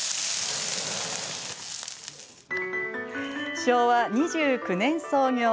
昭和２９年創業。